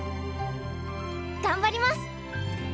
頑張ります！